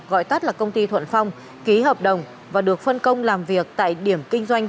gọi tắt là công ty thuận phong ký hợp đồng và được phân công làm việc tại điểm kinh doanh